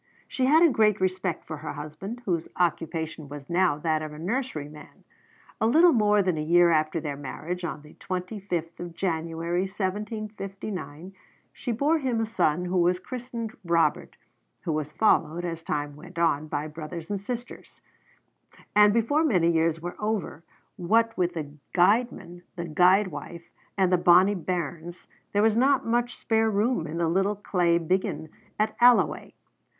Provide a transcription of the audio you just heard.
She had a great respect for her husband, whose occupation was now that of a nurseryman. A little more than a year after their marriage, on the 25th of January, 1759, she bore him a son who was christened Robert, who was followed, as time went on, by brothers and sisters; and before many years were over, what with the guidman, the guidwife, and the bonny bairns, there was not much spare room in the little clay biggin at Alloway.